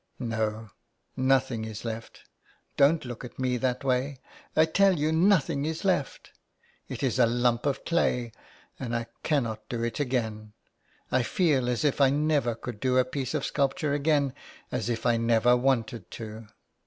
" No, nothing is left. Don't look at me that way. I tell you nothing is left. It is a lump of clay, and I cannot do it again. I feel as if I never could do a piece of sculpture again, as if I never wanted to.